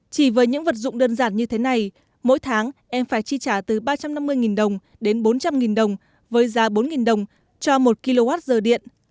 chỉ với những vật dụng đơn giản như thế này mỗi tháng em phải chi trả từ ba trăm năm mươi đồng đến bốn trăm linh đồng với giá bốn đồng cho một kwh điện